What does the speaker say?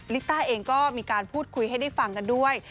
ิตต้าเองก็มีการพูดคุยให้ได้ฟังกันด้วย